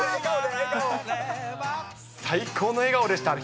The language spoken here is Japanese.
最高の笑顔でしたね。